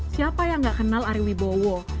siapa yang nggak kenal ariwi bowo